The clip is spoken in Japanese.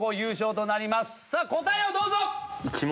答えをどうぞ！